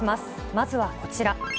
まずはこちら。